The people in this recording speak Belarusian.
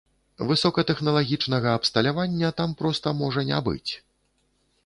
Высокатэхналагічнага абсталявання там проста можа не быць.